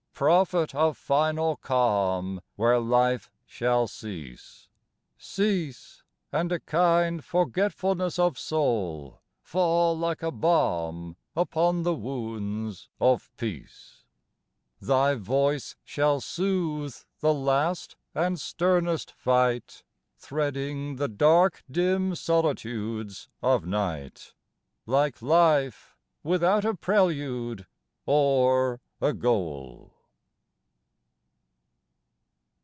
Prophet of final calm where life shall cease, Cease and a kind forgetfulness of soul Fall like a balm upon the wounds of peace Thy voice shall soothe the last and sternest fight, Threading the dark dim solitudes of night, Like life without a prelude or a goal.